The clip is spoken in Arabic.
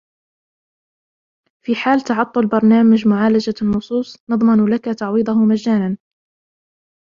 في حال تعطل برنامج معالجة النصوص ، نضمن لك تعويضه مجانا.